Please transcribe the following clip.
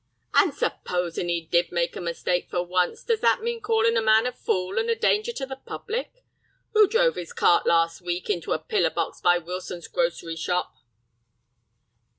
"And supposin' he did make a mistake for once, does that mean callin' a man a fool and a danger to the public? Who drove his cart last week into a pillar box by Wilson's grocery shop?"